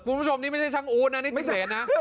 คุณผู้ชมนี่ไม่ใช่ช่างอู๊ดนะนี่พิเศษนะ